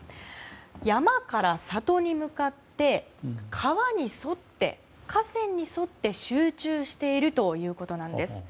山から里に向かって河川に沿って集中しているということです。